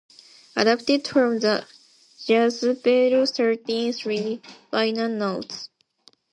Adapted from the "Jezebel Thirteen Three" liner notes.